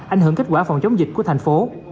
ảnh hưởng kết quả phòng chống dịch của thành phố